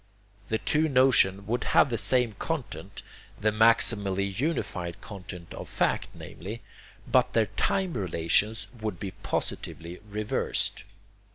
The two notions would have the same content the maximally unified content of fact, namely but their time relations would be positively reversed.